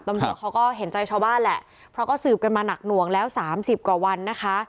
ตำรวจเขาก็เห็นใจชาวบ้านแหละเพราะก็สืบกันมาหนักหน่วงแล้วสามสิบกว่าวันนะคะ